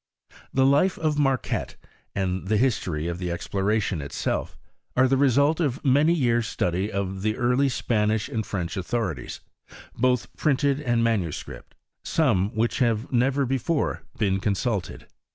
The life of Marquette, and the history of the exploration itself, are the result of many years study of the early Spanish and French authorities, both printed and manuscript, some of which have never before been consulted.